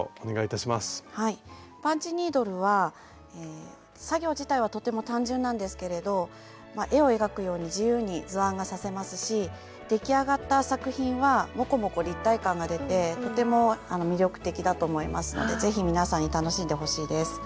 パンチニードルは作業自体はとても単純なんですけれど絵を描くように自由に図案が刺せますし出来上がった作品はモコモコ立体感が出てとても魅力的だと思いますので是非皆さんに楽しんでほしいです。